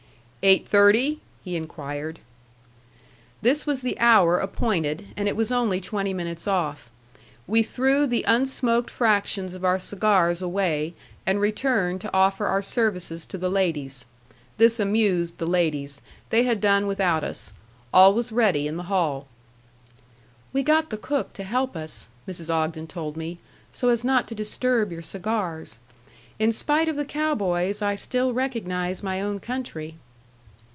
"Eight thirty?" he inquired. This was the hour appointed, and it was only twenty minutes off. We threw the unsmoked fractions of our cigars away, and returned to offer our services to the ladies. This amused the ladies. They had done without us. All was ready in the hall. "We got the cook to help us," Mrs. Ogden told me, "so as not to disturb your cigars. In spite of the cow boys, I still recognize my own country."